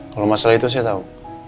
kalau masalah itu saya tahu